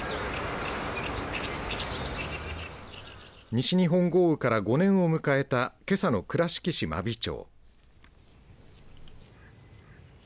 西日本豪雨から５年を迎えたけさの倉敷市真備町。